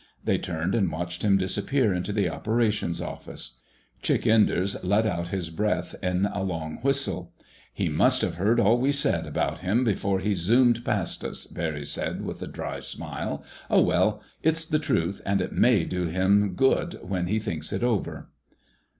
They turned and watched him disappear into the Operations Office. Chick Enders let out his breath in a long whistle. "He must have heard all we said about him before he zoomed past us," Barry said, with a dry smile. "Oh, well! It's the truth, and it may do him good when he thinks it over."